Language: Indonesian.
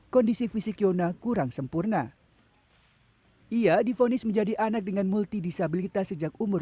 kondisi fisik yona kurang sempurna ia difonis menjadi anak dengan multidisabilitas sejak umur